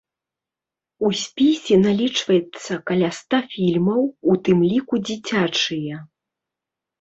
У спісе налічаецца каля ста фільмаў, у тым ліку дзіцячыя.